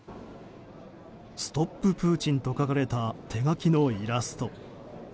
「ストッププーチン」と書かれた手書きのイラスト。